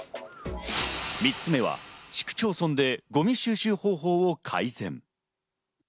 ３つ目は市区町村でゴミ収集方法を改善。